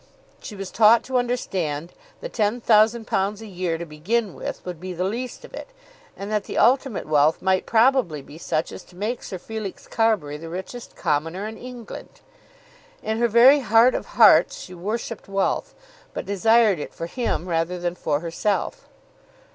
She was taught to understand that £10,000 a year, to begin with, would be the least of it; and that the ultimate wealth might probably be such as to make Sir Felix Carbury the richest commoner in England. In her very heart of hearts she worshipped wealth, but desired it for him rather than for herself.